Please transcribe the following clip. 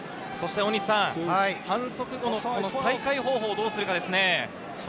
反則後の再開方法をどうするかですね。